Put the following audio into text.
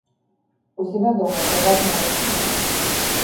у себя дома, в приватной обстановке.